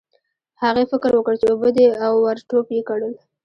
هغې فکر وکړ چې اوبه دي او ور ټوپ یې کړل.